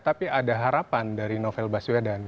tapi ada harapan dari novel baswedan